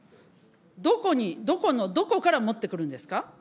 どこに、どこの、どこから持ってくるんですか？